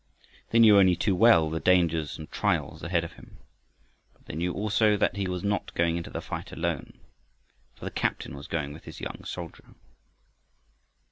They knew only too well the dangers and trials ahead of him, but they knew also that he was not going into the fight alone. For the Captain was going with his young soldier.